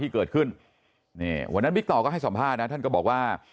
เกิดขึ้นวันนั้นวิคตอร์ก็ให้สัมภาษณ์นะท่านก็บอกว่า